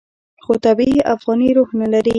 خو طبیعي افغاني روح نه لري.